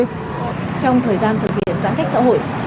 trong thời gian thực hiện giãn cách xã hội